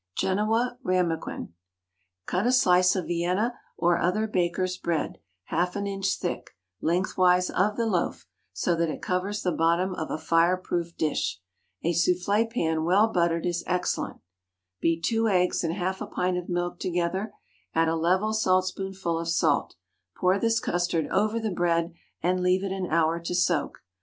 Genoa Ramaquin. Cut a slice of Vienna or other baker's bread, half an inch thick, lengthwise of the loaf, so that it covers the bottom of a fire proof dish a soufflé pan well buttered is excellent; beat two eggs and half a pint of milk together; add a level saltspoonful of salt; pour this custard over the bread, and leave it an hour to soak.